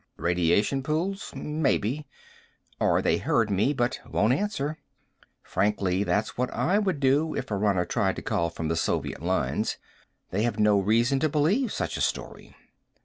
Radiation pools? Maybe. Or they hear me, but won't answer. Frankly, that's what I would do, if a runner tried to call from the Soviet lines. They have no reason to believe such a story.